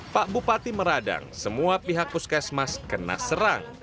pak bupati meradang semua pihak puskesmas kena serang